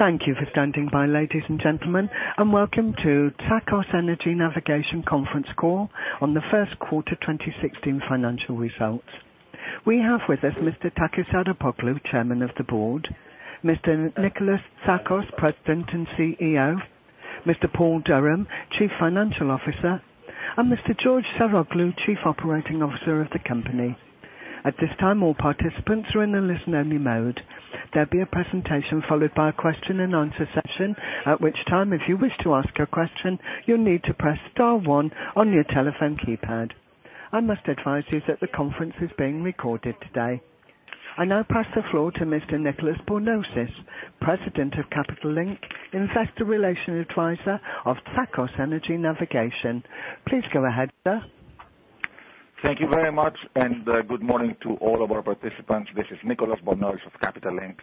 Thank you for standing by, ladies and gentlemen, and welcome to Tsakos Energy Navigation conference call on the first quarter 2016 financial results. We have with us Mr. Takis Arapoglou, Chairman of the Board, Mr. Nikolas Tsakos, President and CEO, Mr. Paul Durham, Chief Financial Officer, and Mr. George Saroglou, Chief Operating Officer of the company. At this time, all participants are in a listen-only mode. There'll be a presentation followed by a question and answer session. At which time, if you wish to ask a question, you'll need to press star one on your telephone keypad. I must advise you that the conference is being recorded today. I now pass the floor to Mr. Nicolas Bornozis, President of Capital Link, Investor Relation Advisor of Tsakos Energy Navigation. Please go ahead, sir. Thank you very much, and good morning to all of our participants. This is Nicolas Bornozis of Capital Link,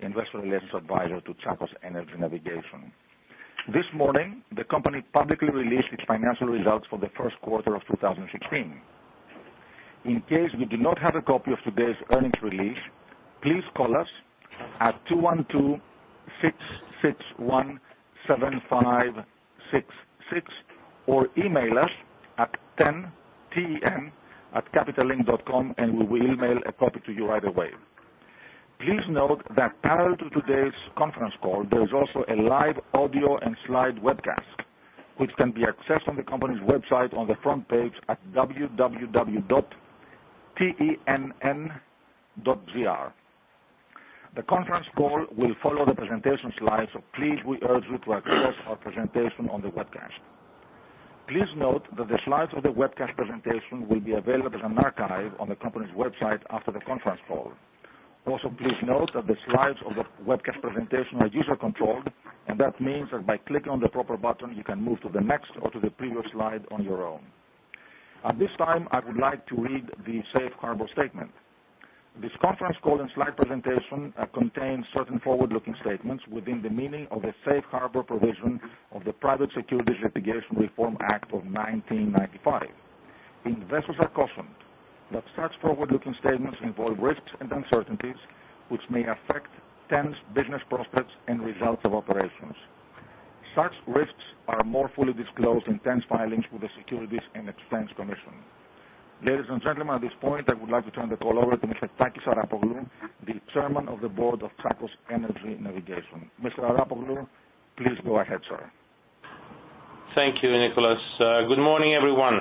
investor relations advisor to Tsakos Energy Navigation. This morning, the company publicly released its financial results for the first quarter of 2016. In case you do not have a copy of today's earnings release, please call us at 212-661-7566 or email us at ten, T-E-N, @capitallink.com and we will email a copy to you right away. Please note that parallel to today's conference call, there is also a live audio and slide webcast which can be accessed on the company's website on the front page at www.ten.gr. The conference call will follow the presentation slides, so please, we urge you to access our presentation on the webcast. Please note that the slides of the webcast presentation will be available as an archive on the company's website after the conference call. Also, please note that the slides of the webcast presentation are user-controlled, and that means that by clicking on the proper button, you can move to the next or to the previous slide on your own. At this time, I would like to read the Safe Harbor statement. This conference call and slide presentation, contains certain forward-looking statements within the meaning of the Safe Harbor Provisions of the Private Securities Litigation Reform Act of 1995. Investors are cautioned that such forward-looking statements involve risks and uncertainties, which may affect TEN's business prospects and results of operations. Such risks are more fully disclosed in TEN's filings with the Securities and Exchange Commission. Ladies and gentlemen, at this point, I would like to turn the call over to Mr. Takis Arapoglou, the Chairman of the Board of Tsakos Energy Navigation. Mr. Arapoglou, please go ahead, sir. Thank you, Nikolas. Good morning, everyone.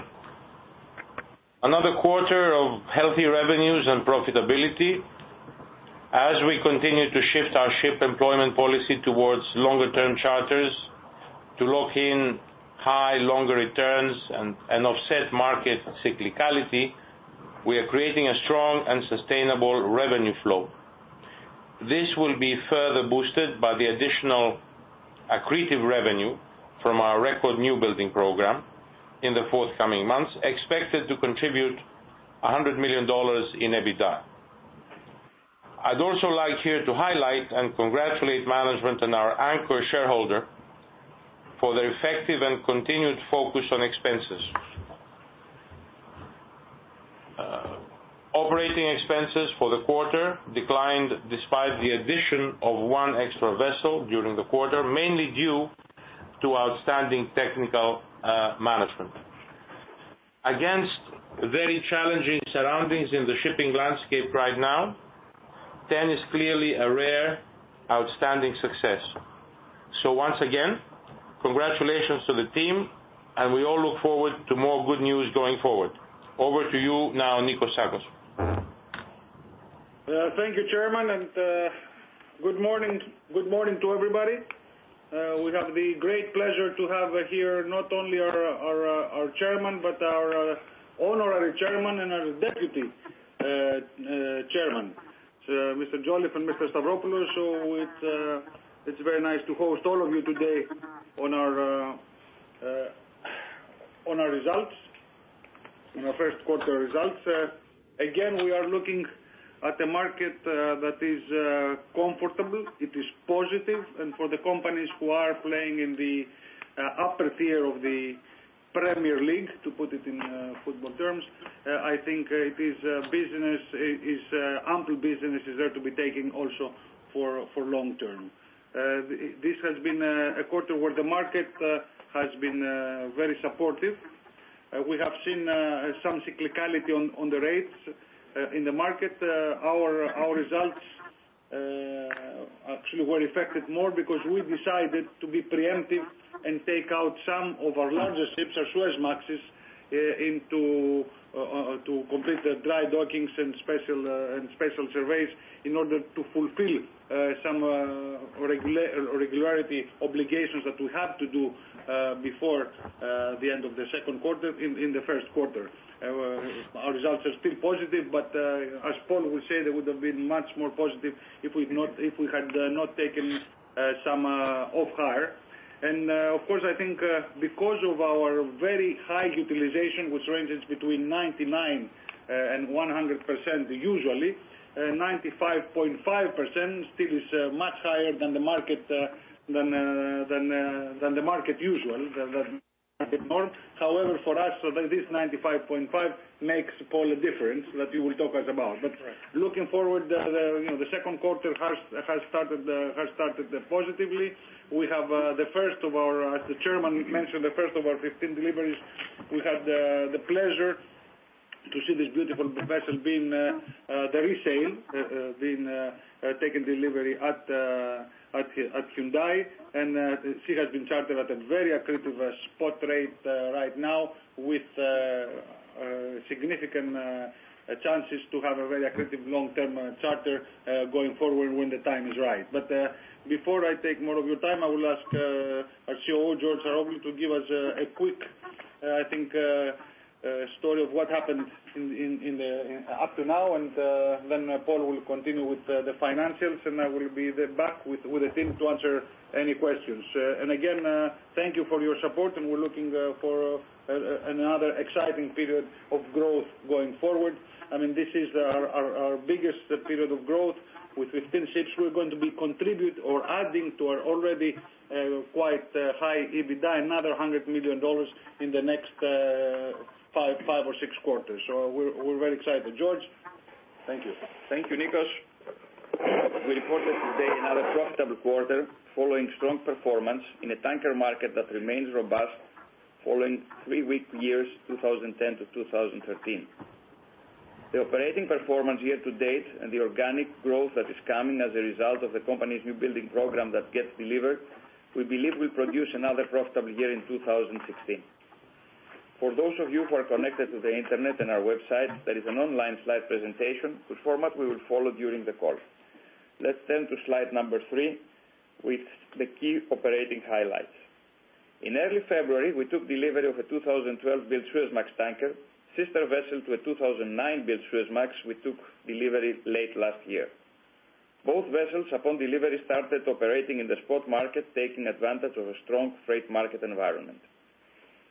Another quarter of healthy revenues and profitability. As we continue to shift our ship employment policy towards longer term charters to lock in high, longer returns and offset market cyclicality, we are creating a strong and sustainable revenue flow. This will be further boosted by the additional accretive revenue from our record new building program in the forthcoming months, expected to contribute $100 million in EBITDA. I'd also like here to highlight and congratulate management and our anchor shareholder for their effective and continued focus on expenses. Operating expenses for the quarter declined despite the addition of one extra vessel during the quarter, mainly due to outstanding technical management. Against very challenging surroundings in the shipping landscape right now, TEN is clearly a rare, outstanding success. Once again, congratulations to the team and we all look forward to more good news going forward. Over to you now, Nico Tsakos. Thank you, Chairman. Good morning to everybody. We have the great pleasure to have here not only our chairman, but our honorary chairman and our deputy chairman, Mr. Jolliffe and Mr. Stavropoulos. It's very nice to host all of you today on our results, on our first quarter results. Again, we are looking at a market that is comfortable, it is positive. For the companies who are playing in the upper tier of the Premier League, to put it in football terms, I think ample business is there to be taken also for long term. This has been a quarter where the market has been very supportive. We have seen some cyclicality on the rates in the market. Our results actually were affected more because we decided to be preemptive and take out some of our larger ships, our Suezmaxes, to complete the dry dockings and special surveys in order to fulfill some regularity obligations that we have to do before the end of the second quarter, in the first quarter. Our results are still positive, but as Paul would say, they would have been much more positive if we had not taken some off hire. Of course, I think because of our very high utilization, which ranges between 99%-100%, usually, 95.5% still is much higher than the market usual, than the norm. However, for us, this 95.5% makes all the difference that you will talk about. Right. Looking forward, the second quarter has started positively. As the chairman mentioned, the first of our 15 deliveries, we had the pleasure to see this beautiful vessel, the [resale], being taken delivery at Hyundai. She has been chartered at a very accretive spot rate right now with significant chances to have a very accretive long-term charter going forward when the time is right. Before I take more of your time, I will ask our COO, George Saroglou, to give us a quick story of what happened up to now. Paul will continue with the financials, and I will be back with the team to answer any questions. Again, thank you for your support, and we're looking for another exciting period of growth going forward. This is our biggest period of growth. With 15 ships, we're going to be adding to our already quite high EBITDA, another $100 million in the next five or six quarters. We're very excited. George? Thank you. Thank you, Nikos. We reported today another profitable quarter following strong performance in a tanker market that remains robust following three weak years, 2010 to 2013. The operating performance year to date and the organic growth that is coming as a result of the company's new building program that gets delivered, we believe will produce another profitable year in 2016. For those of you who are connected to the internet and our website, there is an online slide presentation, the format we will follow during the call. Let's turn to slide number three with the key operating highlights. In early February, we took delivery of a 2012-built Suezmax tanker, sister vessel to a 2009-built Suezmax we took delivery late last year. Both vessels, upon delivery, started operating in the spot market, taking advantage of a strong freight market environment.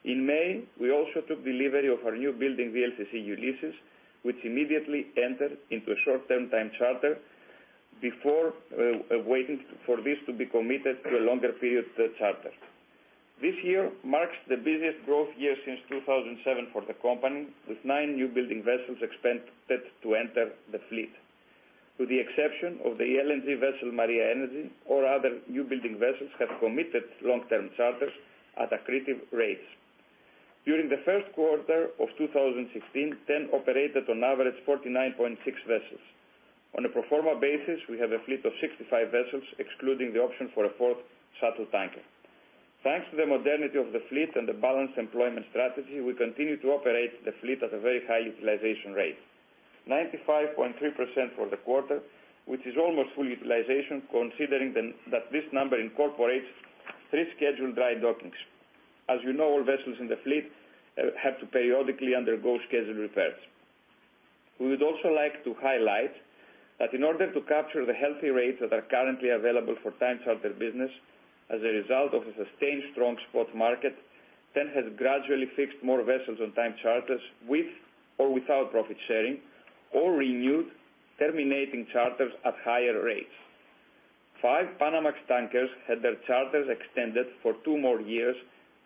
In May, we also took delivery of our new building VLCC Ulysses, which immediately entered into a short-term time charter before waiting for this to be committed to a longer period charter. This year marks the busiest growth year since 2007 for the company, with nine new building vessels expected to enter the fleet. With the exception of the LNG vessel Maria Energy, all other new building vessels have committed long-term charters at accretive rates. During the first quarter of 2016, TEN operated on average 49.6 vessels. On a pro forma basis, we have a fleet of 65 vessels, excluding the option for a fourth shuttle tanker. Thanks to the modernity of the fleet and the balanced employment strategy, we continue to operate the fleet at a very high utilization rate. 95.3% for the quarter, which is almost full utilization considering that this number incorporates three scheduled dry dockings. As you know, all vessels in the fleet have to periodically undergo scheduled repairs. We would also like to highlight that in order to capture the healthy rates that are currently available for time charter business as a result of a sustained strong spot market, TEN has gradually fixed more vessels on time charters with or without profit sharing or renewed terminating charters at higher rates. Five Panamax tankers had their charters extended for two more years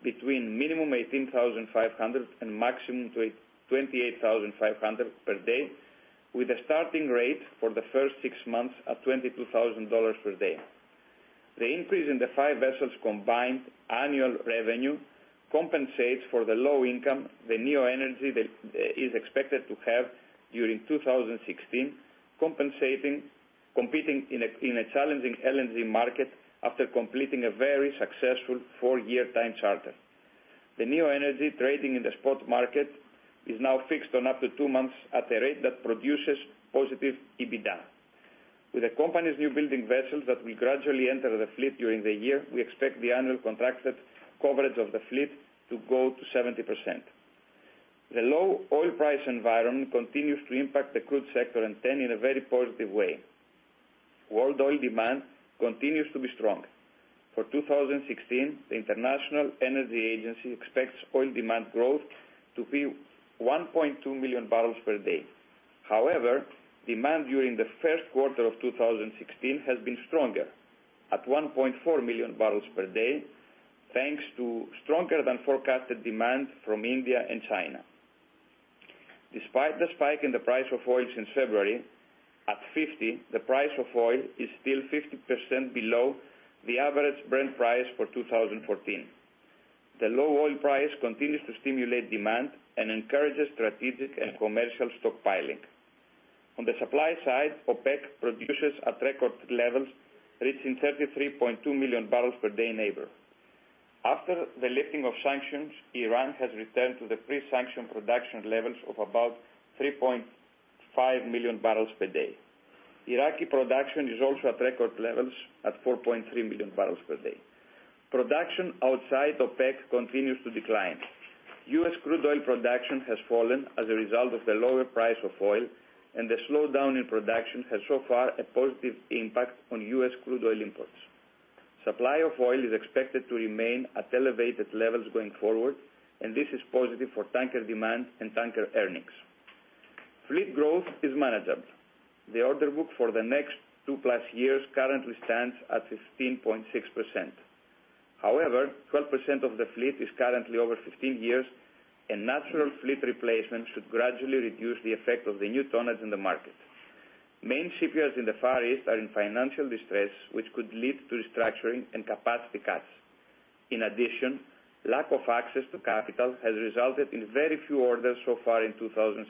between minimum $18,500 and maximum $28,500 per day, with a starting rate for the first six months at $22,000 per day. The increase in the five vessels' combined annual revenue compensates for the low income the Neo Energy is expected to have during 2016, competing in a challenging LNG market after completing a very successful four-year time charter. The Neo Energy trading in the spot market is now fixed on up to 2 months at a rate that produces positive EBITDA. With the company's new building vessels that will gradually enter the fleet during the year, we expect the annual contracted coverage of the fleet to go to 70%. The low oil price environment continues to impact the crude sector and then in a very positive way. World oil demand continues to be strong. For 2016, the International Energy Agency expects oil demand growth to be 1.2 million barrels per day. However, demand during the first quarter of 2016 has been stronger at 1.4 million barrels per day, thanks to stronger than forecasted demand from India and China. Despite the spike in the price of oil since February, at $50, the price of oil is still 50% below the average Brent price for 2014. The low oil price continues to stimulate demand and encourages strategic and commercial stockpiling. On the supply side, OPEC produces at record levels, reaching 33.2 million barrels per day neighbor. After the lifting of sanctions, Iran has returned to the pre-sanction production levels of about 3.5 million barrels per day. Iraqi production is also at record levels at 4.3 million barrels per day. Production outside OPEC continues to decline. U.S. crude oil production has fallen as a result of the lower price of oil, and the slowdown in production has so far a positive impact on U.S. crude oil imports. Supply of oil is expected to remain at elevated levels going forward, and this is positive for tanker demand and tanker earnings. Fleet growth is manageable. The order book for the next two-plus years currently stands at 15.6%. However, 12% of the fleet is currently over 15 years, and natural fleet replacement should gradually reduce the effect of the new tonnage in the market. Main shipyards in the Far East are in financial distress, which could lead to restructuring and capacity cuts. In addition, lack of access to capital has resulted in very few orders so far in 2016.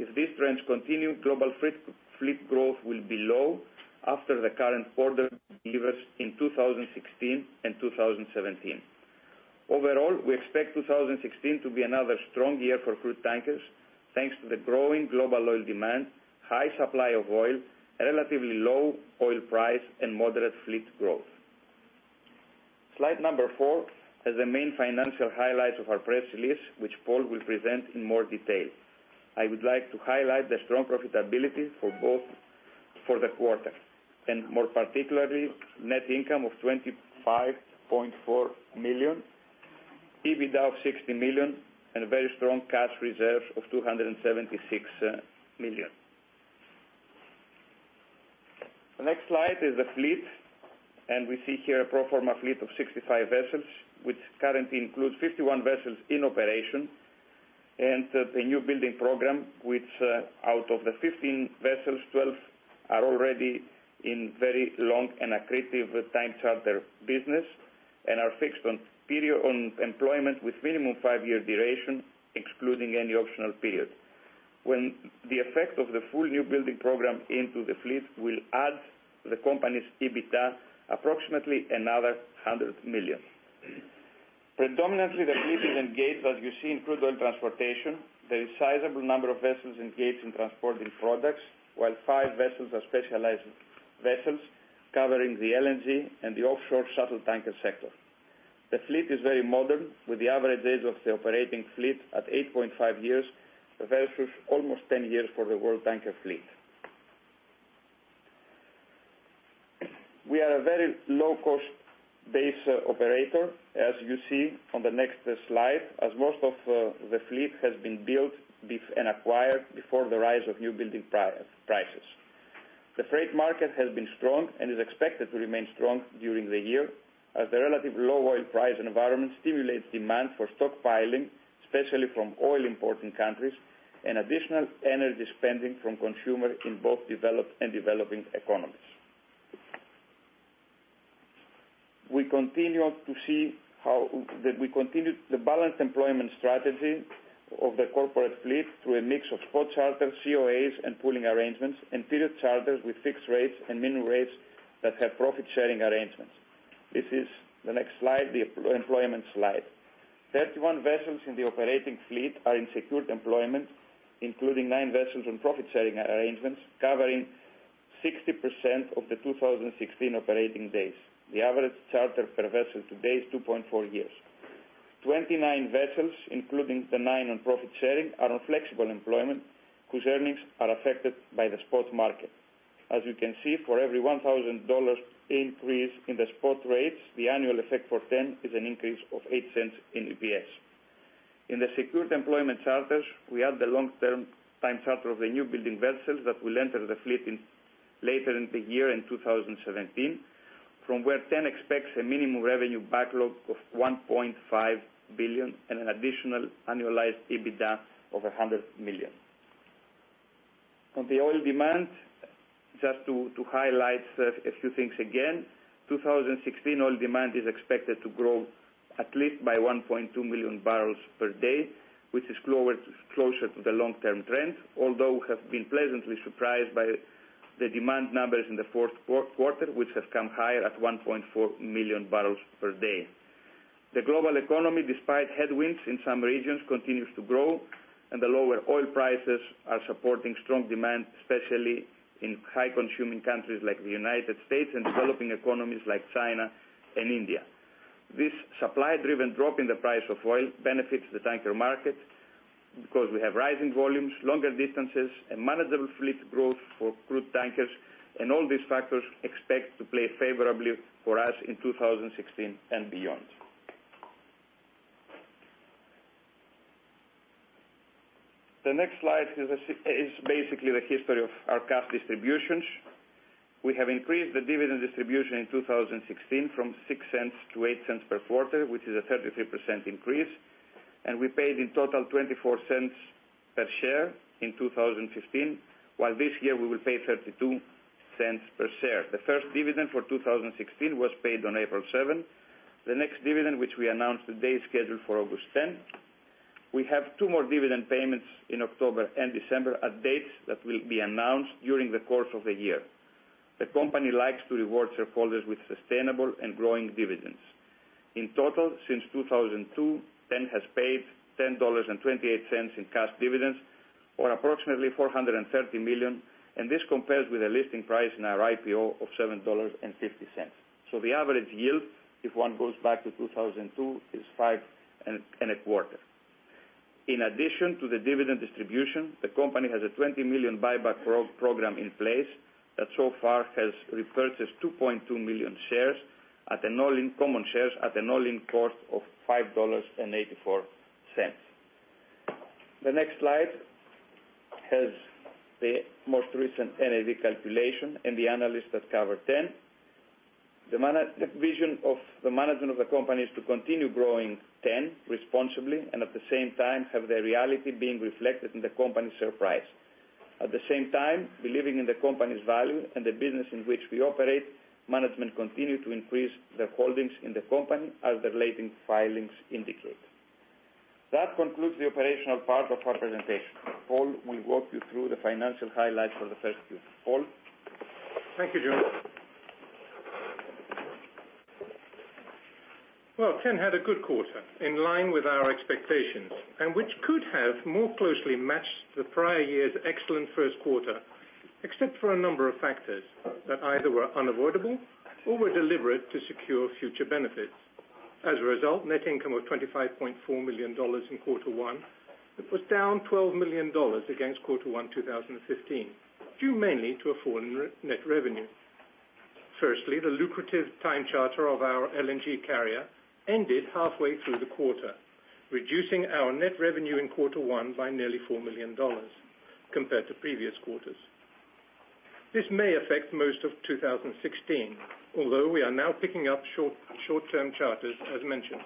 If this trend continue, global fleet growth will be low after the current order delivers in 2016 and 2017. Overall, we expect 2016 to be another strong year for crude tankers, thanks to the growing global oil demand, high supply of oil, relatively low oil price, and moderate fleet growth. Slide number four has the main financial highlights of our press release, which Paul will present in more detail. I would like to highlight the strong profitability for the quarter, and more particularly, net income of $25.4 million, EBITDA of $60 million, and very strong cash reserves of $276 million. The next slide is the fleet, and we see here a pro forma fleet of 65 vessels, which currently includes 51 vessels in operation and the new building program, which, out of the 15 vessels, 12 are already in very long and accretive time charter business and are fixed on employment with minimum 5-year duration, excluding any optional periods. When the effect of the full new building program into the fleet will add the company's EBITDA approximately another $100 million. Predominantly, the fleet is engaged, as you see, in crude oil transportation. There is sizable number of vessels engaged in transporting products, while five vessels are specialized vessels covering the LNG and the offshore shuttle tanker sector. The fleet is very modern, with the average age of the operating fleet at 8.5 years, versus almost 10 years for the world tanker fleet. We are a very low-cost base operator, as you see on the next slide, as most of the fleet has been built and acquired before the rise of new building prices. The freight market has been strong and is expected to remain strong during the year, as the relative low oil price environment stimulates demand for stockpiling, especially from oil importing countries, and additional energy spending from consumers in both developed and developing economies. We continue the balanced employment strategy of the corporate fleet through a mix of spot charters, COAs and pooling arrangements, and period charters with fixed rates and minimum rates that have profit-sharing arrangements. This is the next slide, the employment slide. 31 vessels in the operating fleet are in secured employment, including 9 vessels on profit sharing arrangements covering 60% of the 2016 operating days. The average charter per vessel today is 2.4 years. 29 vessels, including the 9 on profit sharing, are on flexible employment, whose earnings are affected by the spot market. As you can see, for every $1,000 increase in the spot rates, the annual effect for TEN is an increase of $0.08 in EPS. In the secured employment charters, we have the long-term time charter of the new building vessels that will enter the fleet later in the year in 2017, from where TEN expects a minimum revenue backlog of $1.5 billion and an additional annualized EBITDA of $100 million. On the oil demand, just to highlight a few things again, 2016, oil demand is expected to grow at least by 1.2 million barrels per day, which is closer to the long-term trend. Although we have been pleasantly surprised by the demand numbers in the fourth quarter, which have come higher at 1.4 million barrels per day. The global economy, despite headwinds in some regions, continues to grow, and the lower oil prices are supporting strong demand, especially in high-consuming countries like the U.S. and developing economies like China and India. This supply-driven drop in the price of oil benefits the tanker market because we have rising volumes, longer distances, and manageable fleet growth for crude tankers, and all these factors expect to play favorably for us in 2016 and beyond. The next slide is basically the history of our cash distributions. We have increased the dividend distribution in 2016 from $0.08 to $0.08 per quarter, which is a 33% increase, and we paid in total $0.24 per share in 2015, while this year we will pay $0.32 per share. The first dividend for 2016 was paid on April 7th. The next dividend, which we announced today, is scheduled for August 10th. We have 2 more dividend payments in October and December at dates that will be announced during the course of the year. The company likes to reward shareholders with sustainable and growing dividends. In total, since 2002, TEN has paid $10.28 in cash dividends or approximately $430 million, and this compares with a listing price in our IPO of $7.50. The average yield, if one goes back to 2002, is five and a quarter. In addition to the dividend distribution, the company has a $20 million buyback program in place that so far has repurchased 2.2 million common shares at an all-in cost of $5.84. The next slide has the most recent NAV calculation and the analysts that cover TEN. The vision of the management of the company is to continue growing TEN responsibly, at the same time, have the reality being reflected in the company share price. At the same time, believing in the company's value and the business in which we operate, management continue to increase their holdings in the company as the relating filings indicate. That concludes the operational part of our presentation. Paul will walk you through the financial highlights for the first Q. Paul? Thank you, George. Well, TEN had a good quarter in line with our expectations, which could have more closely matched the prior year's excellent first quarter, except for a number of factors that either were unavoidable or were deliberate to secure future benefits. As a result, net income was $25.4 million in quarter one. It was down $12 million against quarter one 2015, due mainly to a fall in net revenue. Firstly, the lucrative time charter of our LNG carrier ended halfway through the quarter, reducing our net revenue in quarter one by nearly $4 million compared to previous quarters. This may affect most of 2016, although we are now picking up short-term charters as mentioned.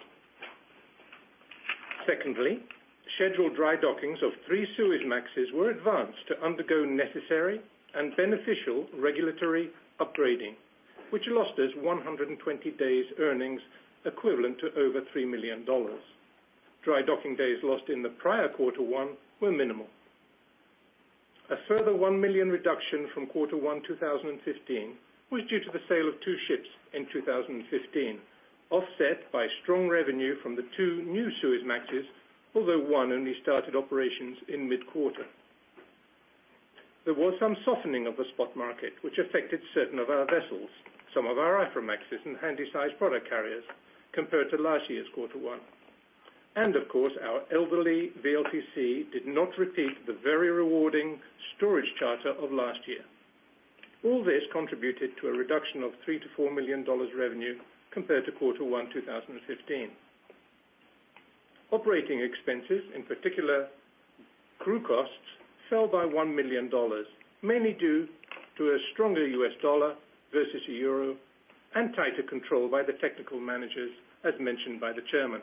Secondly, scheduled dry dockings of three Suezmaxes were advanced to undergo necessary and beneficial regulatory upgrading, which lost us 120 days earnings equivalent to over $3 million. Dry docking days lost in the prior quarter one were minimal. A further one million reduction from quarter one 2015 was due to the sale of two ships in 2015, offset by strong revenue from the two new Suezmaxes, although one only started operations in mid-quarter. There was some softening of the spot market, which affected certain of our vessels, some of our Aframaxes and Handysize product carriers compared to last year's quarter one. Of course, our elderly VLCC did not repeat the very rewarding storage charter of last year. All this contributed to a reduction of $3 million to $4 million revenue compared to quarter one 2015. Operating expenses, in particular, crew costs, fell by $1 million, mainly due to a stronger U.S. dollar versus the euro and tighter control by the technical managers as mentioned by the Chairman.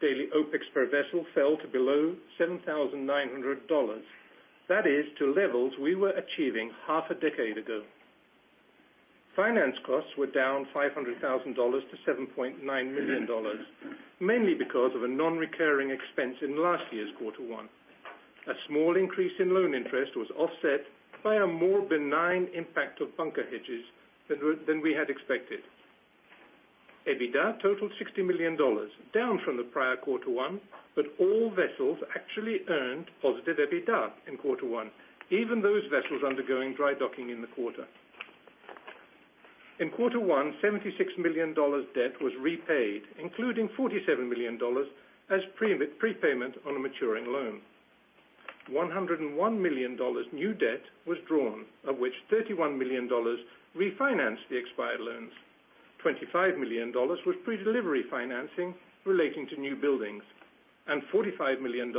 Daily OpEx per vessel fell to below $7,900. That is to levels we were achieving half a decade ago. Finance costs were down $500,000 to $7.9 million, mainly because of a non-recurring expense in last year's quarter 1. A small increase in loan interest was offset by a more benign impact of bunker hedges than we had expected. EBITDA totaled $60 million, down from the prior quarter 1, but all vessels actually earned positive EBITDA in quarter 1, even those vessels undergoing dry docking in the quarter. In quarter 1, $76 million debt was repaid, including $47 million as prepayment on a maturing loan. $101 million new debt was drawn, of which $31 million refinanced the expired loans. $25 million was predelivery financing relating to new buildings, and $45 million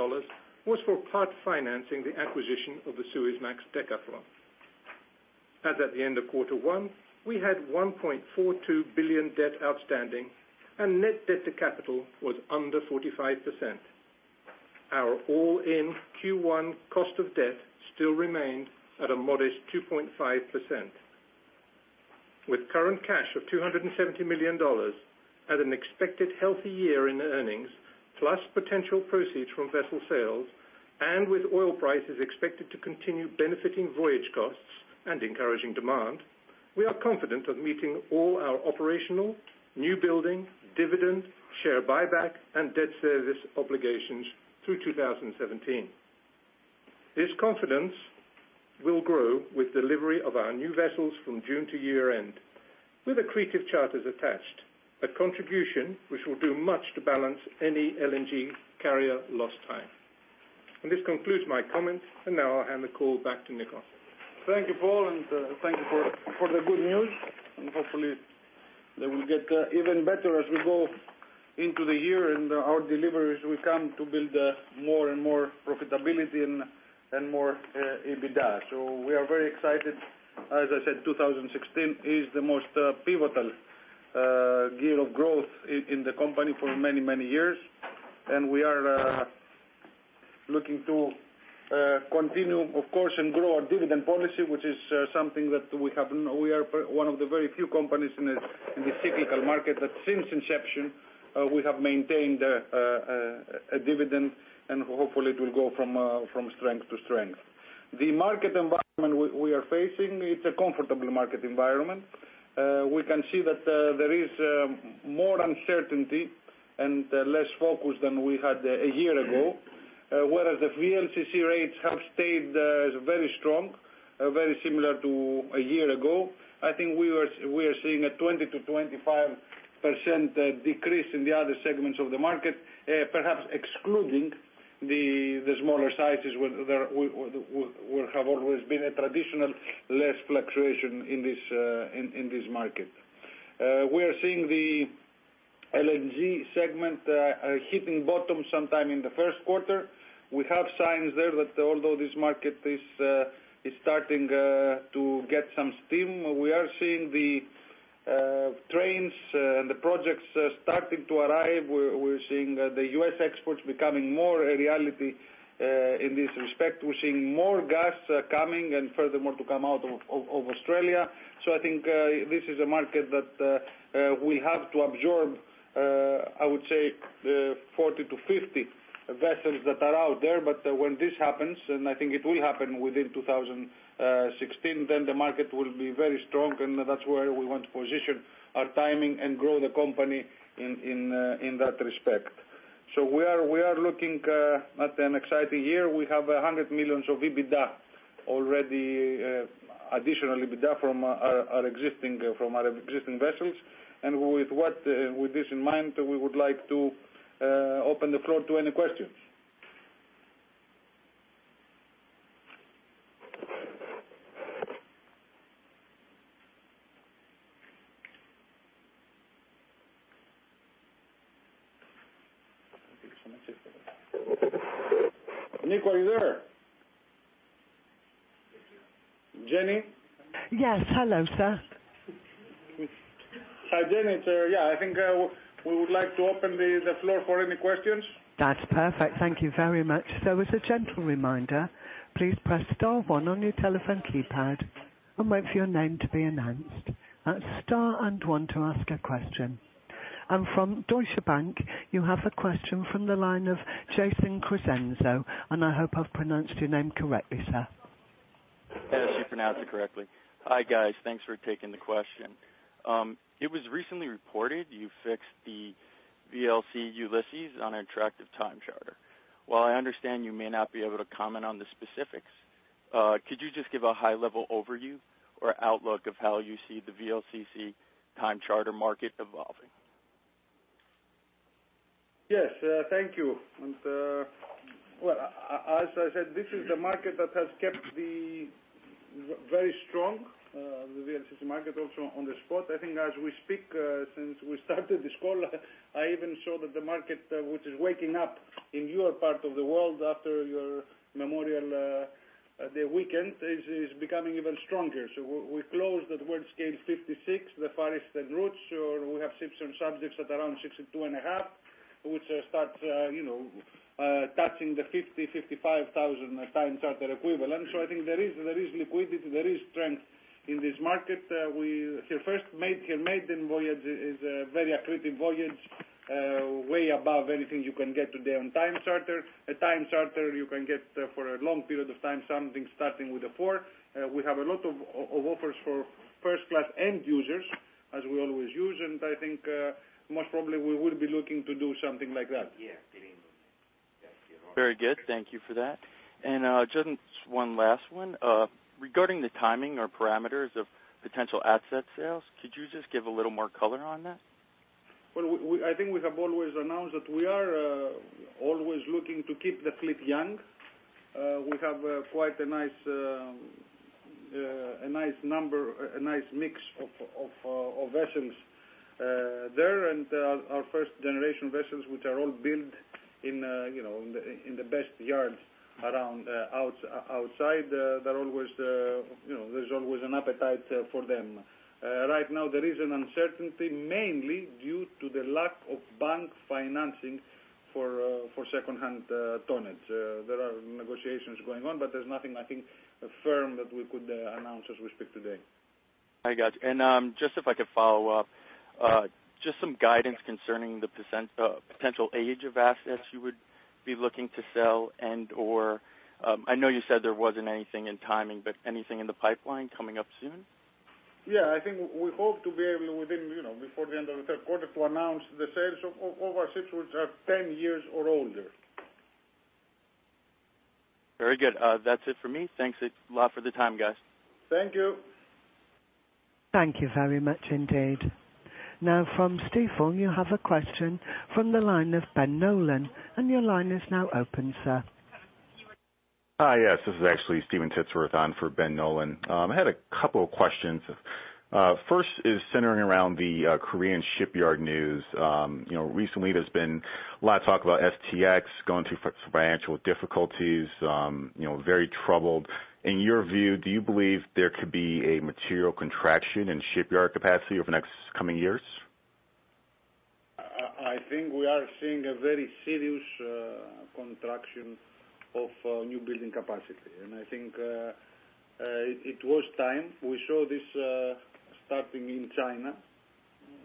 was for part financing the acquisition of the Suezmax Decathlon. As at the end of quarter 1, we had $1.42 billion debt outstanding and net debt to capital was under 45%. Our all-in Q1 cost of debt still remained at a modest 2.5%. With current cash of $270 million at an expected healthy year in earnings plus potential proceeds from vessel sales, and with oil prices expected to continue benefiting voyage costs and encouraging demand, we are confident of meeting all our operational, new building, dividend, share buyback, and debt service obligations through 2017. This confidence will grow with delivery of our new vessels from June to year-end with accretive charters attached. A contribution which will do much to balance any LNG carrier lost time. This concludes my comments, and now I will hand the call back to Nikos. Thank you, Paul, and thank you for the good news, and hopefully they will get even better as we go into the year and our deliveries will come to build more and more profitability and more EBITDA. We are very excited. As I said, 2016 is the most pivotal year of growth in the company for many, many years. We are looking to continue, of course, and grow our dividend policy, which is something that we have. We are one of the very few companies in the cyclical market that since inception, we have maintained a dividend, and hopefully it will go from strength to strength. The market environment we are facing, it is a comfortable market environment. We can see that there is more uncertainty and less focus than we had a year ago. Whereas the VLCC rates have stayed very strong, very similar to a year ago. I think we are seeing a 20%-25% decrease in the other segments of the market, perhaps excluding the smaller sizes where have always been a traditional less fluctuation in this market. We are seeing the LNG segment hitting bottom sometime in the first quarter. We have signs there that although this market is starting to get some steam, we are seeing the trains and the projects starting to arrive. We are seeing the U.S. exports becoming more a reality in this respect. We are seeing more gas coming, furthermore, to come out of Australia. I think this is a market that will have to absorb, I would say, 40-50 vessels that are out there. When this happens, I think it will happen within 2016, the market will be very strong, and that's where we want to position our timing and grow the company in that respect. We are looking at an exciting year. We have $100 million of EBITDA already, additional EBITDA from our existing vessels. With this in mind, we would like to open the floor to any questions. Nikos, are you there? Jenny? Yes. Hello, sir. Hi, Jenny. I think we would like to open the floor for any questions. That's perfect. Thank you very much. As a gentle reminder, please press star one on your telephone keypad and wait for your name to be announced. That's star and one to ask a question. From Deutsche Bank, you have a question from the line of Jason Crescenzo, and I hope I've pronounced your name correctly, sir. Yes, you pronounced it correctly. Hi, guys. Thanks for taking the question. It was recently reported you fixed the VLCC Ulysses on an attractive time charter. While I understand you may not be able to comment on the specifics, could you just give a high-level overview or outlook of how you see the VLCC time charter market evolving? Yes. Thank you. Well, as I said, this is a market that has kept the very strong, the VLCC market also on the spot. I think as we speak, since we started this call I even saw that the market, which is waking up in your part of the world after your memorial, the weekend, is becoming even stronger. We closed at Worldscale 56, the farthest routes, or we have ships on subjects at around 62.5, which starts touching the $50,000, $55,000 times charter equivalent. I think there is liquidity, there is strength in this market. Her first maiden voyage is a very accretive voyage, way above anything you can get today on time charter. A time charter you can get for a long period of time, something starting with a four. We have a lot of offers for first-class end users, as we always use. I think, most probably we will be looking to do something like that. Very good. Thank you for that. Just one last one. Regarding the timing or parameters of potential asset sales, could you just give a little more color on that? Well, I think we have always announced that we are always looking to keep the fleet young. We have quite a nice mix of vessels there. Our first-generation vessels, which are all built in the best yards around outside, there's always an appetite for them. Right now, there is an uncertainty, mainly due to the lack of bank financing for second-hand tonnage. There are negotiations going on, but there's nothing, I think, firm that we could announce as we speak today. I got you. Just if I could follow up, just some guidance concerning the potential age of assets you would be looking to sell and/or I know you said there wasn't anything in timing, but anything in the pipeline coming up soon? Yeah, I think we hope to be able before the end of the third quarter to announce the sales of our ships which are 10 years or older. Very good. That's it for me. Thanks a lot for the time, guys. Thank you. Thank you very much indeed. From Stifel, you have a question from the line of Ben Nolan, and your line is now open, sir. Hi. Yes, this is actually Steven Titsworth on for Ben Nolan. I had a couple of questions. First is centering around the Korean shipyard news. Recently there's been a lot of talk about STX going through financial difficulties, very troubled. In your view, do you believe there could be a material contraction in shipyard capacity over the next coming years? I think we are seeing a very serious contraction of new building capacity. I think it was time. We saw this starting in China.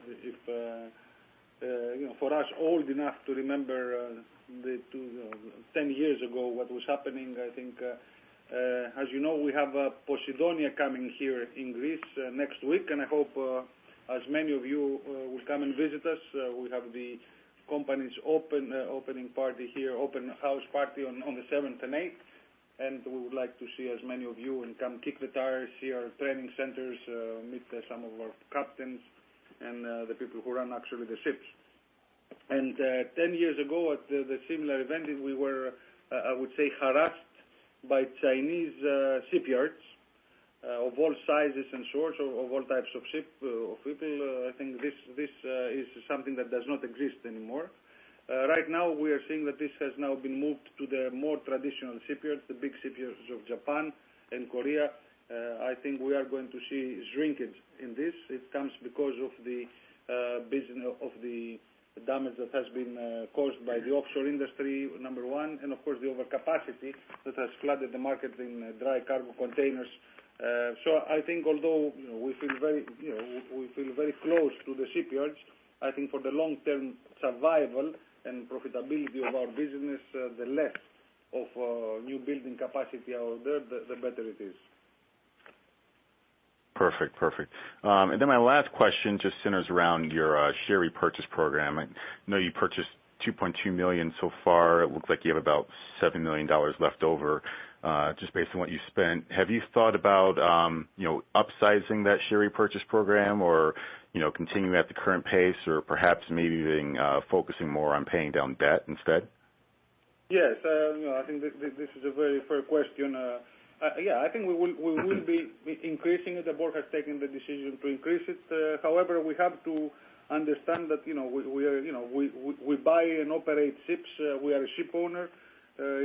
If for us old enough to remember 10 years ago what was happening, I think as you know, we have Posidonia coming here in Greece next week, and I hope as many of you will come and visit us. We have the company's opening party here, open house party on the seventh and eighth, and we would like to see as many of you and come kick the tires, see our training centers, meet some of our captains and the people who run actually the ships. 10 years ago at the similar event, we were, I would say, harassed by Chinese shipyards of all sizes and sorts, of all types of ship, of people. I think this is something that does not exist anymore. Right now, we are seeing that this has now been moved to the more traditional shipyards, the big shipyards of Japan and Korea. I think we are going to see shrinkage in this. It comes because of the damage that has been caused by the offshore industry, number one, and of course, the overcapacity that has flooded the market in dry cargo containers. I think although we feel very close to the shipyards, I think for the long-term survival and profitability of our business, the less of new building capacity out there, the better it is. Perfect. My last question just centers around your share repurchase program. I know you purchased $2.2 million so far. It looks like you have about $7 million left over, just based on what you've spent. Have you thought about upsizing that share repurchase program or continuing at the current pace or perhaps maybe even focusing more on paying down debt instead? Yes. I think this is a very fair question. Yeah, I think we will be increasing it. The board has taken the decision to increase it. However, we have to understand that we buy and operate ships. We are a shipowner.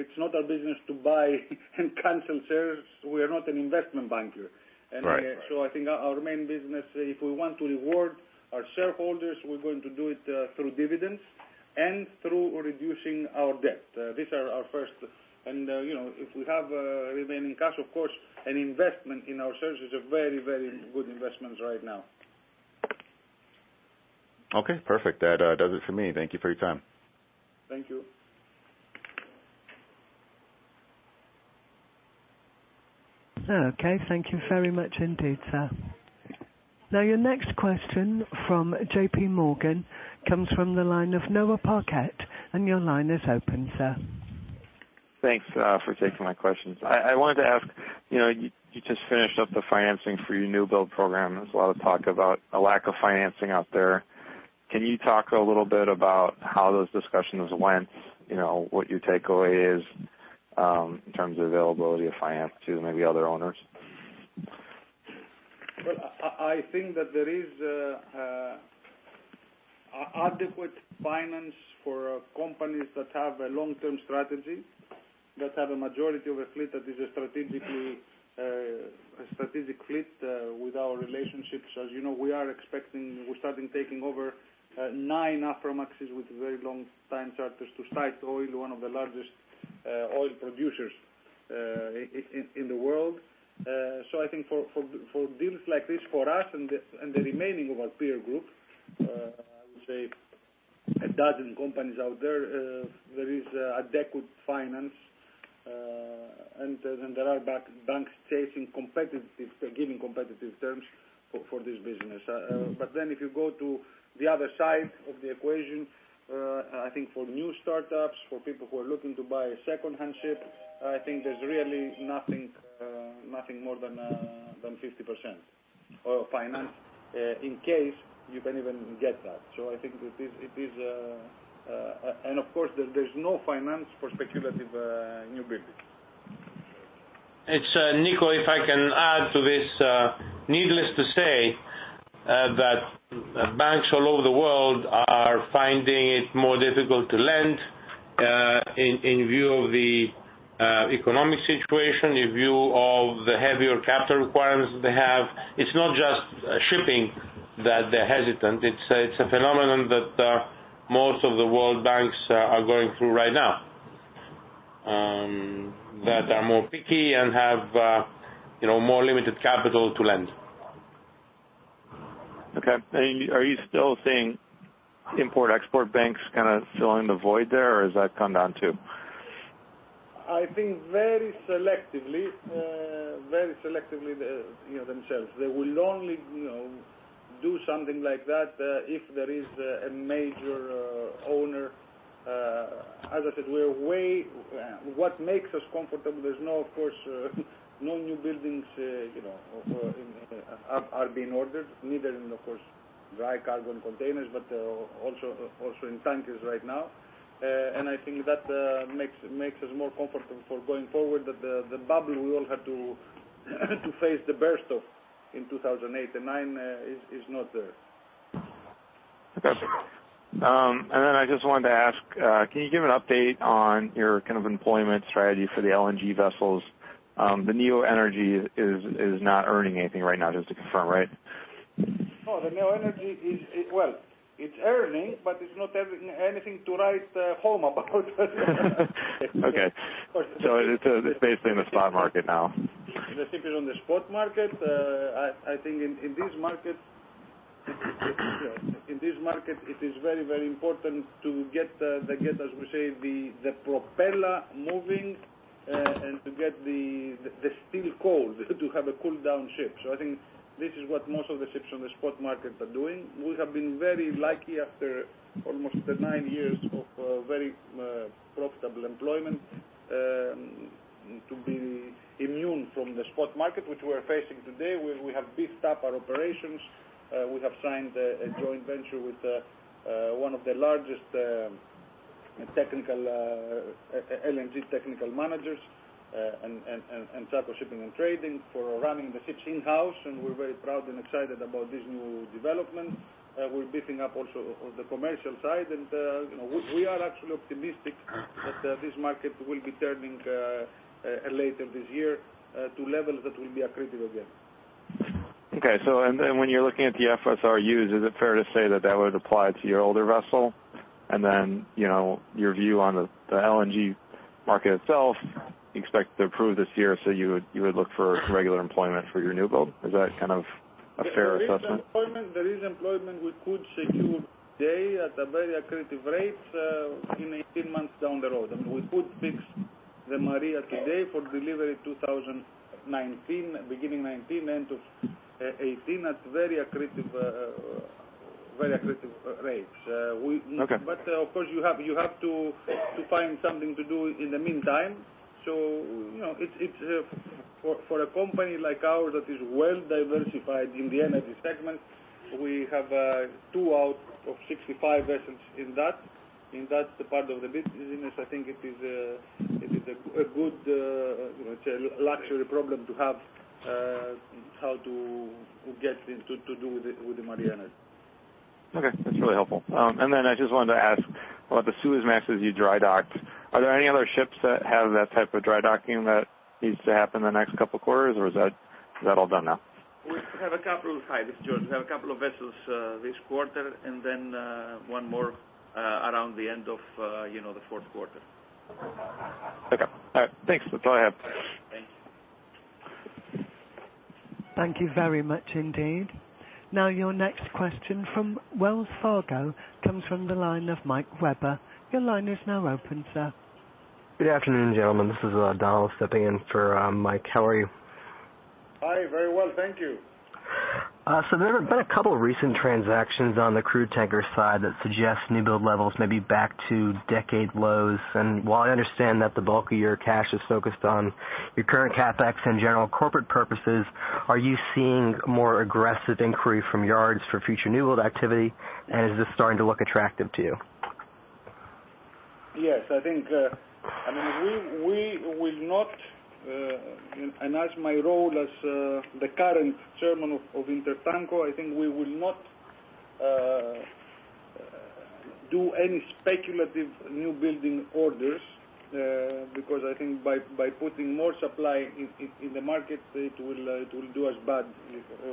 It's not our business to buy and cancel shares. We are not an investment banker. Right. I think our main business, if we want to reward our shareholders, we're going to do it through dividends and through reducing our debt. These are our first. If we have remaining cash, of course, an investment in our shares is a very good investment right now. Perfect. That does it for me. Thank you for your time. Thank you. Thank you very much indeed, sir. Your next question from JP Morgan comes from the line of Noah Parquett, your line is open, sir. Thanks for taking my questions. I wanted to ask, you just finished up the financing for your new build program. There's a lot of talk about a lack of financing out there. Can you talk a little bit about how those discussions went? What your takeaway is, in terms of availability of finance to maybe other owners? I think that there is adequate finance for companies that have a long-term strategy, that have a majority of a fleet that is a strategic fleet with our relationships. As you know, we're starting taking over nine Aframaxes with very long time charters to Saudi Aramco, one of the largest oil producers in the world. I think for deals like this for us and the remaining of our peer group, I would say a dozen companies out there is adequate finance. There are banks giving competitive terms for this business. If you go to the other side of the equation, I think for new startups, for people who are looking to buy a second-hand ship, I think there's really nothing more than 50% of finance, in case you can even get that. Of course, there's no finance for speculative new buildings. It's Niko, if I can add to this. Needless to say, that banks all over the world are finding it more difficult to lend, in view of the economic situation, in view of the heavier capital requirements that they have. It's not just shipping that they're hesitant. It's a phenomenon that most of the world banks are going through right now, that are more picky and have more limited capital to lend. Okay. Are you still seeing import-export banks kind of filling the void there, or has that come down, too? I think very selectively themselves. They will only do something like that if there is a major owner. As I said, what makes us comfortable, there's no new buildings are being ordered, neither in, of course, dry cargo containers, but also in tankers right now. I think that makes us more comfortable for going forward that the bubble we all had to face the burst of in 2008 and 2009 is not there. Okay. I just wanted to ask, can you give an update on your kind of employment strategy for the LNG vessels? The Neo Energy is not earning anything right now, just to confirm, right? No, the Neo Energy, well, it's earning, but it's not earning anything to write home about. Okay. It's basically in the spot market now. I think it's on the spot market. I think in this market it is very important to get, as we say, the propeller moving and to get the steel cold, to have a cool down ship. I think this is what most of the ships on the spot market are doing. We have been very lucky after almost nine years of very profitable employment, to be immune from the spot market, which we are facing today, where we have beefed up our operations. We have signed a joint venture with one of the largest LNG technical managers and Tsakos Shipping and Trading for running the ship in-house, and we're very proud and excited about this new development. We're beefing up also on the commercial side, and we are actually optimistic that this market will be turning later this year to levels that will be accretive again. Okay. When you're looking at the FSRUs, is it fair to say that that would apply to your older vessel and then your view on the LNG market itself, you expect to improve this year, so you would look for regular employment for your new build? Is that a fair assessment? There is employment we could secure today at a very accretive rate in 18 months down the road. I mean, we could fix the Maria today for delivery 2019, beginning 2019, end of 2018, at very accretive rates. Okay. Of course, you have to find something to do in the meantime. For a company like ours that is well-diversified in the energy segment, we have two out of 65 vessels in that part of the business. I think it is a good luxury problem to have how to get to do with the Maria Energy. Okay, that's really helpful. I just wanted to ask about the Suezmaxes you dry docked. Are there any other ships that have that type of dry docking that needs to happen in the next couple of quarters, or is that all done now? Hi, this is George. We have a couple of vessels this quarter, then one more around the end of the fourth quarter. Okay. All right. Thanks. Go ahead. Thank you. Thank you very much indeed. Your next question from Wells Fargo comes from the line of Michael Webber. Your line is now open, sir. Good afternoon, gentlemen. This is Donald stepping in for Mike. How are you? Hi. Very well. Thank you. There have been a couple of recent transactions on the crude tanker side that suggest new build levels may be back to decade lows. While I understand that the bulk of your cash is focused on your current CapEx and general corporate purposes, are you seeing more aggressive inquiry from yards for future new build activity? Is this starting to look attractive to you? Yes. I mean, as my role as the current chairman of Intertanko, I think we will not do any speculative new building orders because I think by putting more supply in the market, it will do us bad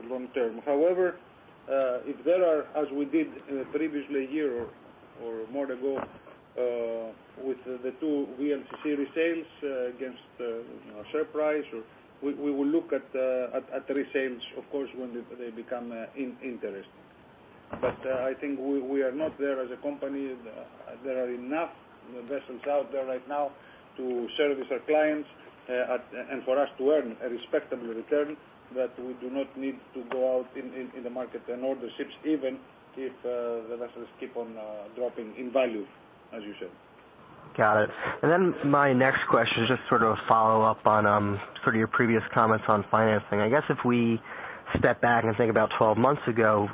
long term. However, if there are, as we did previously a year or more ago with the two VLCC resales against share price, we will look at resales of course, when they become interesting. I think we are not there as a company. There are enough vessels out there right now to service our clients, and for us to earn a respectable return, that we do not need to go out in the market and order ships even if the vessels keep on dropping in value, as you said. Got it. My next question is just sort of a follow-up on sort of your previous comments on financing. I guess if we step back and think about 12 months ago,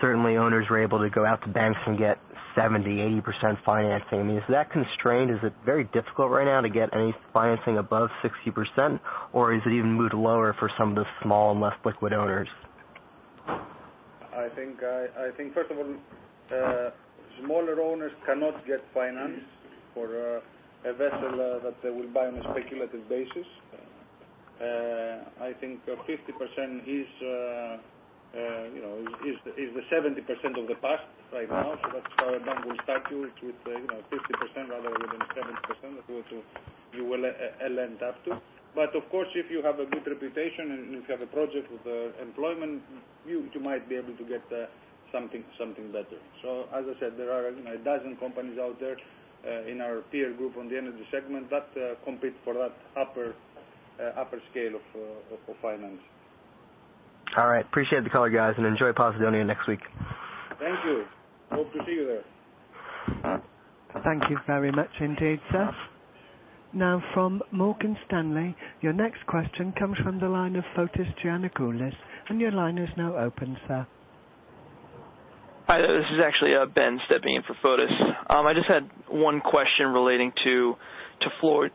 certainly owners were able to go out to banks and get 70%-80% financing. I mean, is that constrained? Is it very difficult right now to get any financing above 60%, or has it even moved lower for some of the small and less liquid owners? I think, first of all, smaller owners cannot get finance for a vessel that they will buy on a speculative basis. I think 50% is the 70% of the past right now. That's where a bank will start you with 50% rather within 70%, which you will lend up to. Of course, if you have a good reputation and if you have a project with employment, you might be able to get something better. As I said, there are a dozen companies out there in our peer group on the energy segment that compete for that upper scale of finance. All right. Appreciate the call, guys, enjoy Posidonia next week. Thank you. Hope to see you there. Thank you very much indeed, sir. From Morgan Stanley, your next question comes from the line of Fotis Giannakoulis, your line is now open, sir. Hi, this is actually Ben stepping in for Fotis. I just had one question relating to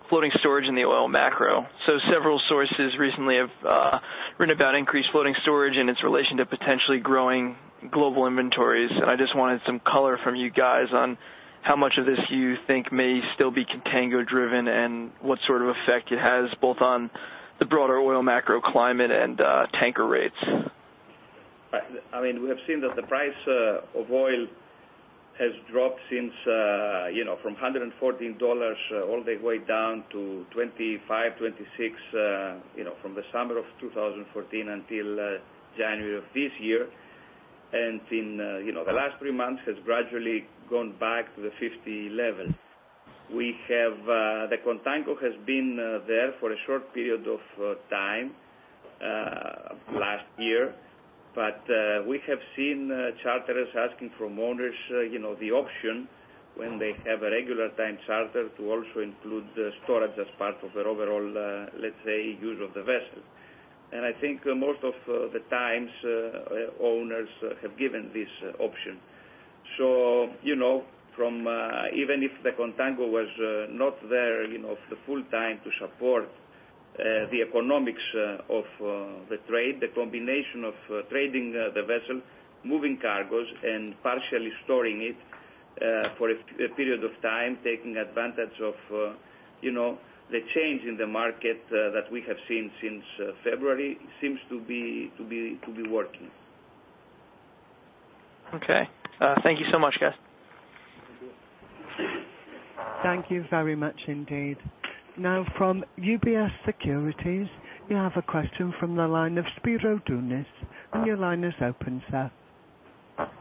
floating storage in the oil macro. Several sources recently have written about increased floating storage and its relation to potentially growing global inventories, I just wanted some color from you guys on how much of this you think may still be contango-driven and what sort of effect it has both on the broader oil macro climate and tanker rates. I mean, we have seen that the price of oil has dropped from $114 all the way down to $25, $26, from the summer of 2014 until January of this year. In the last three months has gradually gone back to the $50 level. The contango has been there for a short period of time last year. We have seen charterers asking from owners the option when they have a regular time charter to also include storage as part of their overall, let's say, use of the vessel. I think most of the times, owners have given this option. Even if the contango was not there the full time to support the economics of the trade, the combination of trading the vessel, moving cargoes, and partially storing it for a period of time, taking advantage of the change in the market that we have seen since February, seems to be working. Okay. Thank you so much, guys. Thank you. Thank you very much indeed. Now from UBS Securities, you have a question from the line of Spiro Dounis. Your line is open, sir.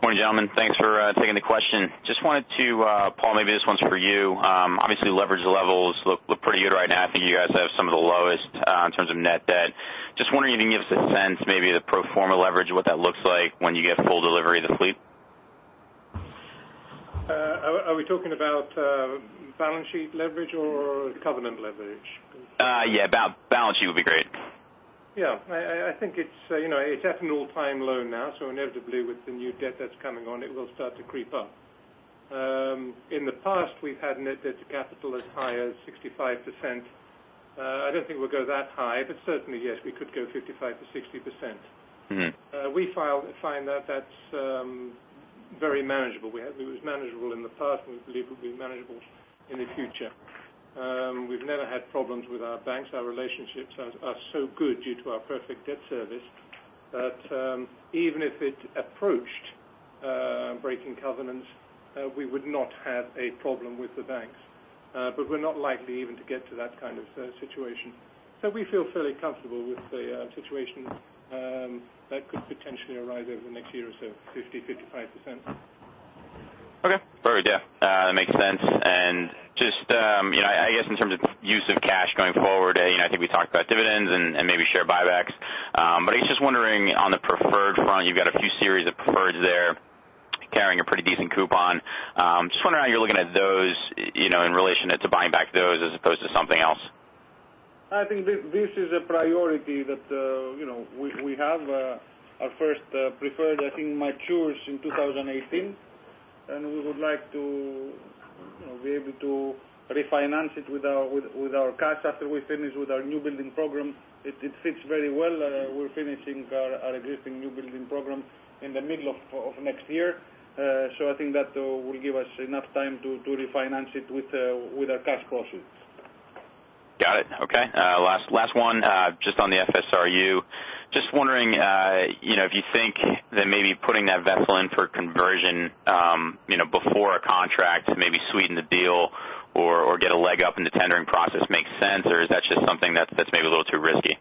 Morning, gentlemen. Thanks for taking the question. Paul, maybe this one's for you. Obviously, leverage levels look pretty good right now. I think you guys have some of the lowest in terms of net debt. Just wondering if you can give us a sense, maybe the pro forma leverage, what that looks like when you get full delivery of the fleet? Are we talking about balance sheet leverage or covenant leverage? Yeah. Balance sheet would be great. Yeah. I think it's at an all-time low now, so inevitably with the new debt that's coming on, it will start to creep up. In the past, we've had net debt to capital as high as 65%. I don't think we'll go that high, but certainly yes, we could go 55%-60%. We find that's very manageable. It was manageable in the past, and we believe it will be manageable in the future. We've never had problems with our banks. Our relationships are so good due to our perfect debt service that even if it approached breaking covenants, we would not have a problem with the banks. We're not likely even to get to that kind of situation. We feel fairly comfortable with the situation that could potentially arise over the next year or so, 50%-55%. Okay. Perfect. Yeah. That makes sense. Just I guess in terms of use of cash going forward, I think we talked about dividends and maybe share buybacks. I was just wondering on the preferred front, you've got a few series of preferreds there carrying a pretty decent coupon. Just wondering how you're looking at those, in relation to buying back those as opposed to something else. I think this is a priority that we have. Our first preferred, I think, matures in 2018, and we would like to be able to refinance it with our cash after we finish with our new building program. It fits very well. We're finishing our existing new building program in the middle of next year. I think that will give us enough time to refinance it with our cash flows. Got it. Okay. Last one, just on the FSRU. Just wondering if you think that maybe putting that vessel in for conversion before a contract to maybe sweeten the deal or get a leg up in the tendering process makes sense, or is that just something that's maybe a little too risky?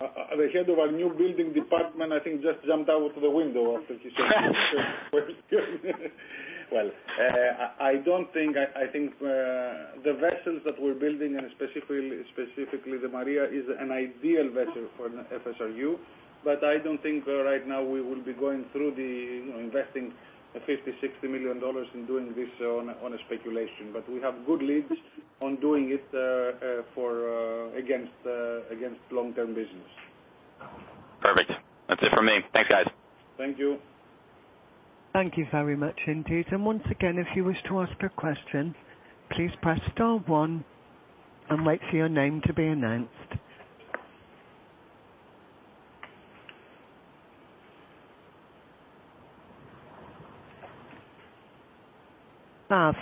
The head of our new building department, I think, just jumped out of the window after you said that. I think the vessels that we're building, and specifically the Maria, is an ideal vessel for an FSRU. I don't think right now we will be going through investing $50 million, $60 million in doing this on a speculation. We have good leads on doing it against long-term business. Perfect. That's it from me. Thanks, guys. Thank you. Thank you very much indeed. Once again, if you wish to ask a question, please press star one and wait for your name to be announced.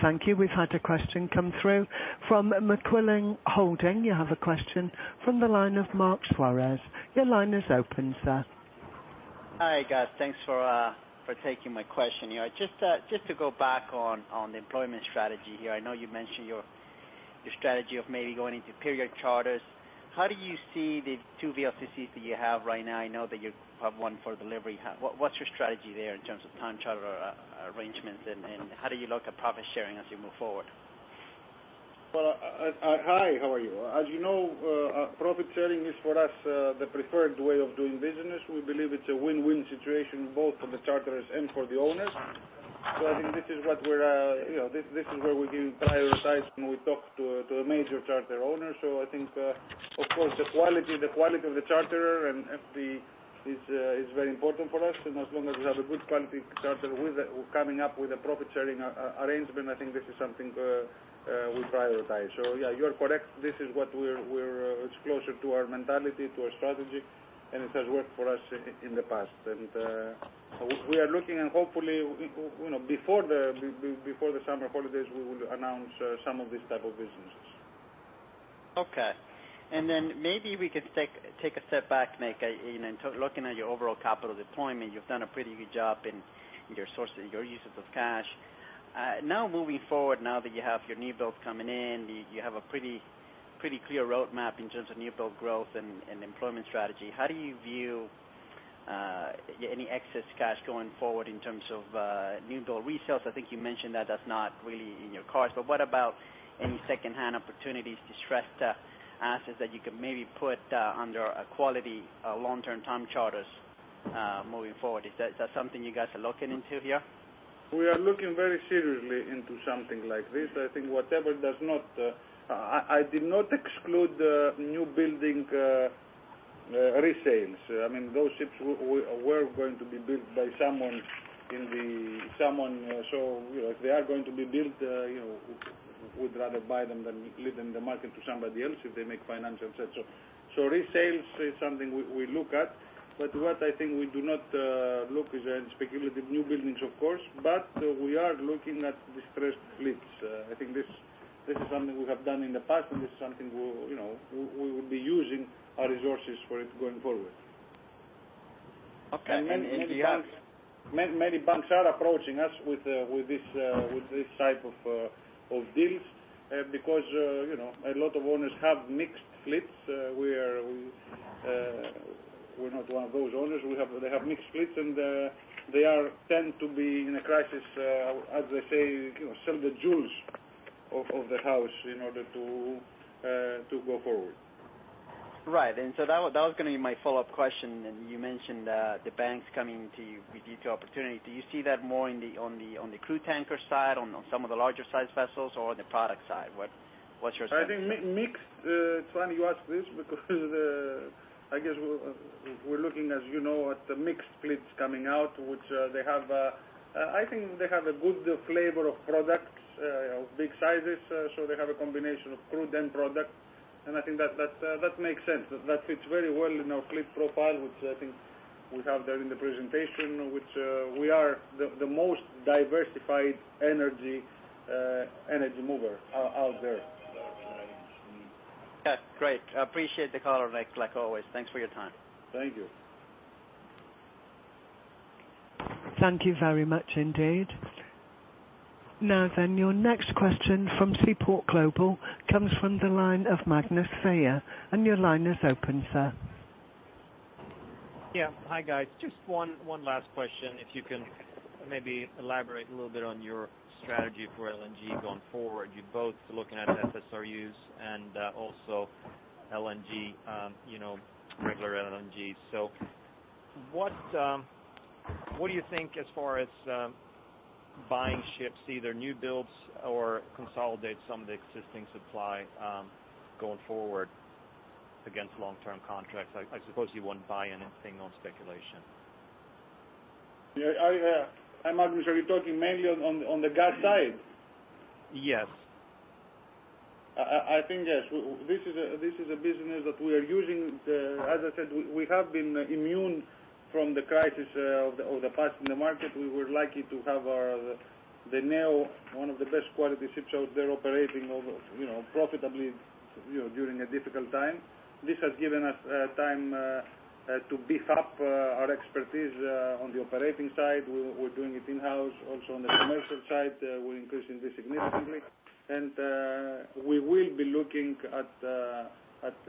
Thank you. We've had a question come through from McQuilling Partners. You have a question from the line of Mark Suarez. Your line is open, sir. Hi, guys. Thanks for taking my question. Just to go back on the employment strategy here. I know you mentioned your strategy of maybe going into period charters. How do you see the two VLCCs that you have right now? I know that you have one for delivery. What's your strategy there in terms of time charter arrangements, and how do you look at profit sharing as you move forward? Well, hi, how are you? As you know, profit sharing is for us the preferred way of doing business. We believe it's a win-win situation both for the charterers and for the owners. I think this is where we prioritize when we talk to a major charterer owner. I think, of course, the quality of the charterer and [inaudible] is very important for us. As long as we have a good quality charterer coming up with a profit-sharing arrangement, I think this is something we prioritize. Yeah, you are correct. It's closer to our mentality, to our strategy, and it has worked for us in the past. We are looking and hopefully, before the summer holidays, we will announce some of these types of businesses. Okay. Maybe we could take a step back, in looking at your overall capital deployment, you've done a pretty good job in your sources, your uses of cash. Now moving forward, now that you have your newbuilds coming in, you have a pretty clear roadmap in terms of newbuild growth and employment strategy. How do you view any excess cash going forward in terms of newbuild resales? I think you mentioned that that's not really in your cards, but what about any secondhand opportunities, distressed assets that you could maybe put under quality long-term time charters moving forward? Is that something you guys are looking into here? We are looking very seriously into something like this. I did not exclude newbuilding resales. Those ships were going to be built by someone, if they are going to be built, we'd rather buy them than leave them in the market to somebody else if they make financial sense. Resales is something we look at. What I think we do not look is in speculative newbuildings, of course, but we are looking at distressed fleets. I think this is something we have done in the past, and this is something we will be using our resources for it going forward. Okay. If you have- Many banks are approaching us with this type of deals because a lot of owners have mixed fleets. We're not one of those owners. They have mixed fleets, and they are tend to be in a crisis, as they say, some of the jewels of the house in order to go forward. Right. That was going to be my follow-up question. You mentioned the banks coming to you with these opportunities. Do you see that more on the crude tanker side, on some of the larger size vessels or on the product side? What's your sense? I think mixed. It's funny you ask this because I guess we're looking, as you know, at the mixed fleets coming out. I think they have a good flavor of products, of big sizes. They have a combination of crude and product. I think that makes sense. That fits very well in our fleet profile, which I think we have there in the presentation, which we are the most diversified energy mover out there. Yeah, great. I appreciate the color, like always. Thanks for your time. Thank you. Thank you very much indeed. Your next question from Seaport Global comes from the line of Magnus Fyhr. Your line is open, sir. Hi, guys. Just one last question. If you can maybe elaborate a little bit on your strategy for LNG going forward. You're both looking at FSRUs and also regular LNG. What do you think as far as buying ships, either new builds or consolidate some of the existing supply going forward against long-term contracts? I suppose you won't buy anything on speculation. Hi, Magnus. Are you talking mainly on the gas side? Yes. I think, yes. This is a business that we are using. As I said, we have been immune from the crisis over the past in the market. We were lucky to have the Neo Energy, one of the best quality ships out there operating profitably during a difficult time. This has given us time to beef up our expertise on the operating side. We're doing it in-house. Also on the commercial side, we're increasing this significantly. We will be looking at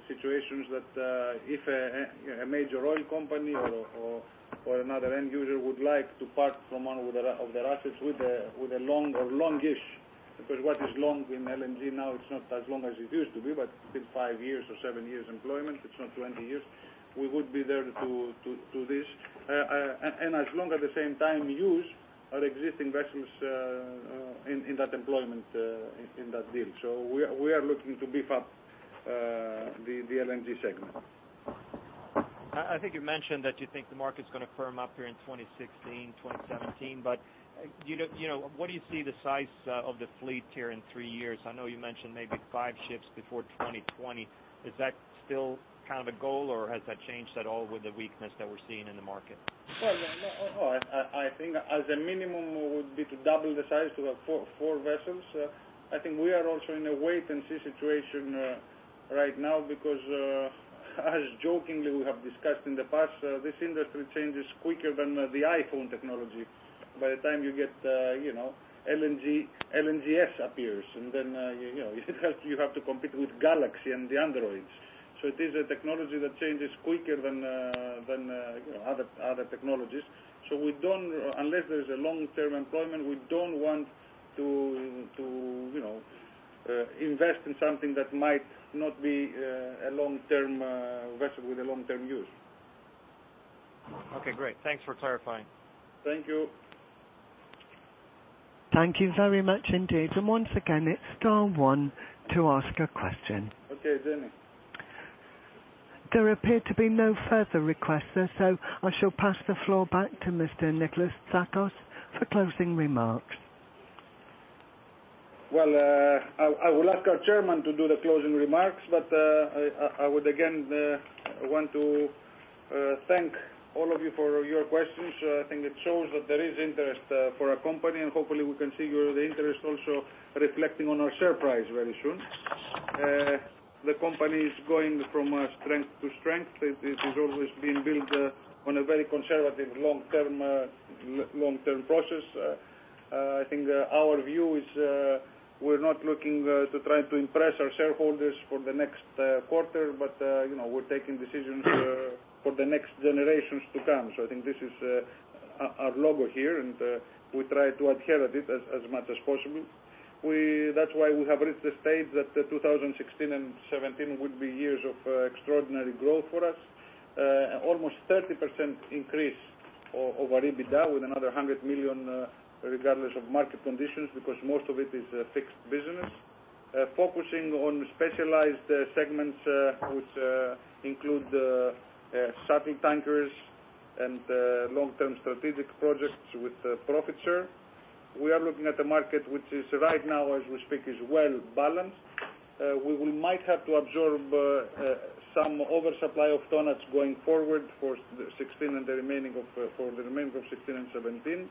situations that if a major oil company or another end user would like to part from one of their assets with a long or long-ish, because what is long in LNG now, it's not as long as it used to be, but still five years or seven years employment, it's not 20 years, we would be there to do this. As long at the same time use our existing vessels in that employment, in that deal. We are looking to beef up the LNG segment. I think you mentioned that you think the market's going to firm up here in 2016, 2017. What do you see the size of the fleet here in three years? I know you mentioned maybe five ships before 2020. Is that still kind of a goal, or has that changed at all with the weakness that we're seeing in the market? Well, no. I think as a minimum, would be to double the size to have four vessels. I think we are also in a wait-and-see situation right now because as jokingly we have discussed in the past, this industry changes quicker than the iPhone technology. By the time you get LNG, LNGs appears, and then you have to compete with Galaxy and the Androids. It is a technology that changes quicker than other technologies. Unless there is a long-term employment, we don't want to invest in something that might not be a long-term vessel with a long-term use. Okay, great. Thanks for clarifying. Thank you. Thank you very much indeed. Once again, it's star one to ask a question. Okay, Jenny. There appear to be no further requests, sir, so I shall pass the floor back to Mr. Nikolas Tsakos for closing remarks. Well, I will ask our chairman to do the closing remarks. I would again, want to thank all of you for your questions. I think it shows that there is interest for our company, and hopefully, we can see the interest also reflecting on our share price very soon. The company is going from strength to strength. It has always been built on a very conservative long-term process. I think our view is we're not looking to try to impress our shareholders for the next quarter, but we're taking decisions for the next generations to come. I think this is our logo here, and we try to adhere to it as much as possible. That's why we have reached the stage that 2016 and 2017 would be years of extraordinary growth for us. Almost 30% increase of our EBITDA with another $100 million, regardless of market conditions, because most of it is a fixed business. Focusing on specialized segments, which include shuttle tankers and long-term strategic projects with profit share. We are looking at a market which is right now, as we speak, is well-balanced. We might have to absorb some oversupply of tonnages going forward for the remainder of 2016 and 2017.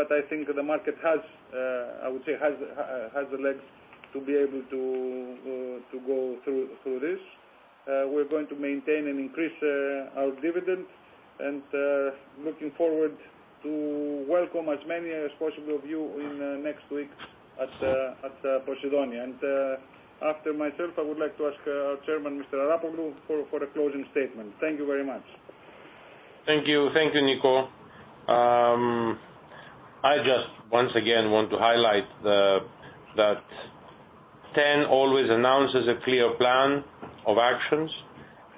I think the market has the legs to be able to go through this. We're going to maintain and increase our dividend and looking forward to welcome as many as possible of you in the next weeks at Poseidonia. After myself, I would like to ask our chairman, Mr. Arapoglou, for a closing statement. Thank you very much. Thank you, Nico. I just once again want to highlight that TEN always announces a clear plan of actions,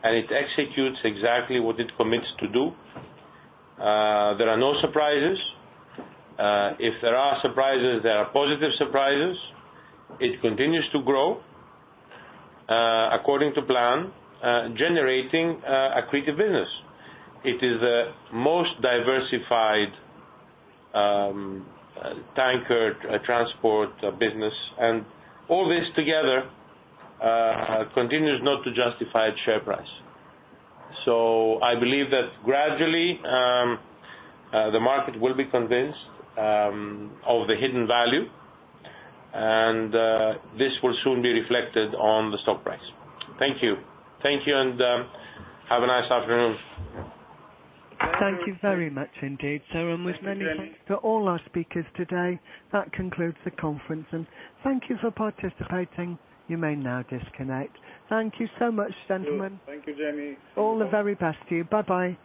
and it executes exactly what it commits to do. There are no surprises. If there are surprises, there are positive surprises. It continues to grow, according to plan, generating accretive business. It is a most diversified tanker transport business, and all this together continues not to justify its share price. I believe that gradually, the market will be convinced of the hidden value, and this will soon be reflected on the stock price. Thank you. Thank you, and have a nice afternoon. Thank you very much indeed, sir. Thank you, Jenny. With many thanks to all our speakers today, that concludes the conference. Thank you for participating. You may now disconnect. Thank you so much, gentlemen. Thank you. Thank you, Jenny. All the very best to you. Bye-bye.